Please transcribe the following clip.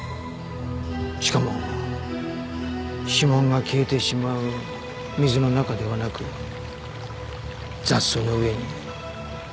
しかも指紋が消えてしまう水の中ではなく雑草の上へ。